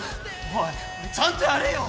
おいちゃんとやれよ！